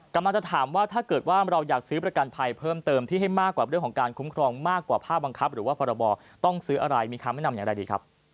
กำลังจะถามว่าถ้าเกิดว่าเราอยากซื้อประกันภัยเพิ่มเติมที่ให้มากกว่าเรื่องของการคุ้มครองมากกว่าผ้าบังคับหรือว่าพรบต้องซื้ออะไรมีคำแนะนำอย่างไรดีครับ